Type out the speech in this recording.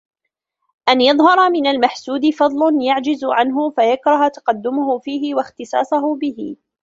أَنْ يَظْهَرَ مِنْ الْمَحْسُودِ فَضْلٌ يَعْجِزُ عَنْهُ فَيَكْرَهُ تَقَدُّمَهُ فِيهِ وَاخْتِصَاصَهُ بِهِ